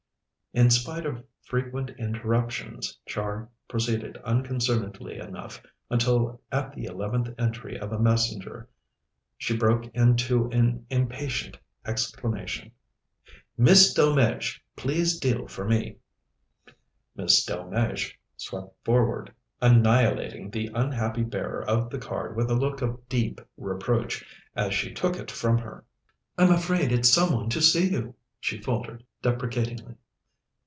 In spite of frequent interruptions, Char proceeded unconcernedly enough, until at the eleventh entry of a messenger she broke into an impatient exclamation: "Miss Delmege, please deal for me!" Miss Delmege swept forward, annihilating the unhappy bearer of the card with a look of deep reproach, as she took it from her. "I'm afraid it's some one to see you," she faltered deprecatingly.